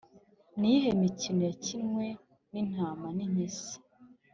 ni iyihe mikino yakinwe n’intama n’ impyisi?